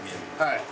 はい。